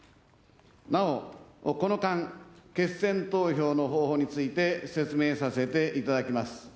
なお、この間、決選投票の方法について、説明させていただきます。